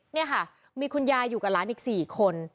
นี่ค่ะมีคุณยายอยู่กับหลานอีก๔คน